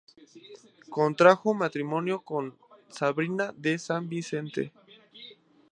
Contrajo matrimonio con Sabrina de San Vicente.